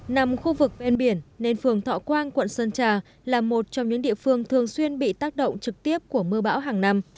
nằm khu vực bên biển nên phường thọ quang quận sơn trà là một trong những địa phương thường xuyên bị tác động trực tiếp của mưa bão hàng năm